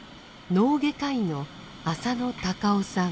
脳外科医の浅野孝雄さん。